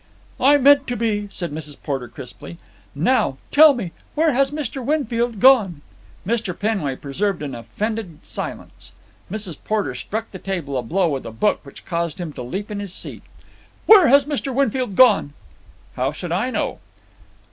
"I meant to be," said Mrs. Porter crisply. "Now. Tell me. Where has Mr. Winfield gone?" Mr. Penway preserved an offended silence. Mrs. Porter struck the table a blow with a book which caused him to leap in his seat. "Where has Mr. Winfield gone?" "How should I know?"